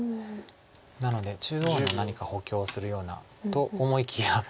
なので中央の何か補強するような。と思いきや。